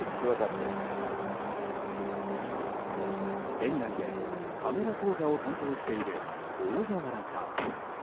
園内でカメラ講座を担当している、大河原さん。